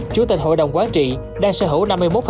chủ tịch hội đồng quán trị đang sở hữu năm mươi một bốn mươi tám